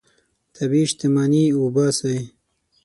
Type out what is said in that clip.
طبیعي شتمني وباسئ.